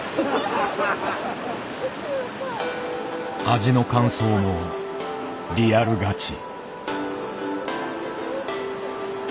味の感想もリアルガチ。